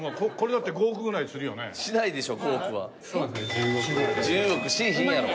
１０億しいひんやろ！